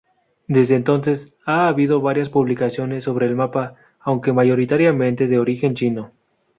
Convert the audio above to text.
Desde entonces ha habido varias publicaciones sobre el mapa, aunque mayoritariamente de origen chino.